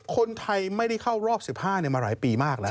คนไทยไม่ได้เข้ารอบ๑๕มาหลายปีมากแล้ว